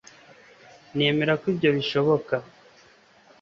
nemera ko ibyo bishoboka